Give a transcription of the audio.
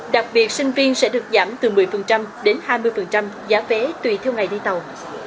đặc biệt sinh viên sẽ được giảm từ một mươi đến hai mươi giá vé tùy theo ngày đi tàu